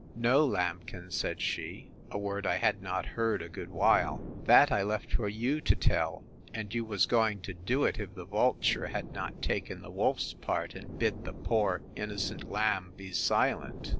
No, lambkin, said she, (a word I had not heard a good while,) that I left for you to tell and you was going to do it if the vulture had not taken the wolf's part, and bid the poor innocent lamb be silent!